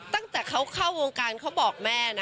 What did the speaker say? ตั้งแต่เขาเข้าวงการเขาบอกแม่นะ